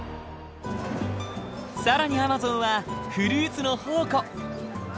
更にアマゾンはフルーツの宝庫。